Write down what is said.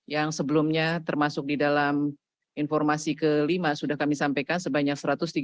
yang sebelumnya termasuk di dalam informasi kelima sudah kami sampaikan sebanyak satu ratus tiga puluh